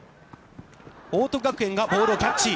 報徳学園がボールをキャッチ。